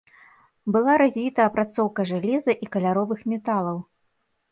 Была развіта апрацоўка жалеза і каляровых металаў.